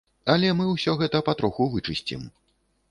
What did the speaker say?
Але мы ўсё гэта патроху вычысцім.